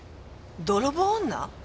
泥棒女？